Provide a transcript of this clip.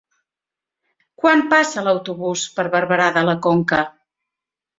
Quan passa l'autobús per Barberà de la Conca?